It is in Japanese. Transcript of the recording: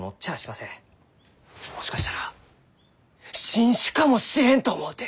もしかしたら新種かもしれんと思うて！